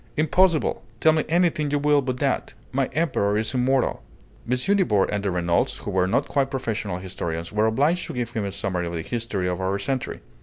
"Impossible! Tell me anything you will but that! My Emperor is immortal." M. Nibor and the Renaults, who were not quite professional historians, were obliged to give him a summary of the history of our century.